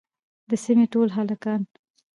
د سيمې ټول هلکان